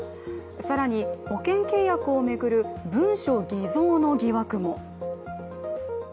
更に、保険契約を巡る文書偽造の疑惑も。